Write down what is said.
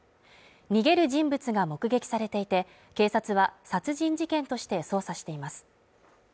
逃げる人物が目撃されていて、警察は殺人事件として捜査しています。